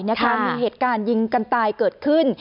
มีเหตุการณ์ยิงกันตายเกิดขึ้น